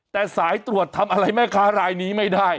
แต่สายตรวจทำอะไรแม่ค้ารายนี้ไม่ได้